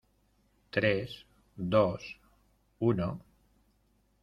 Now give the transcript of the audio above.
tres, dos , uno...